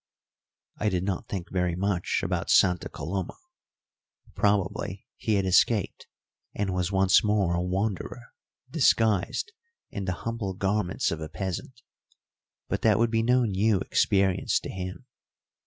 I did not think very much about Santa Coloma. Probably he had escaped, and was once more a wanderer disguised in the humble garments of a peasant; but that would be no new experience to him.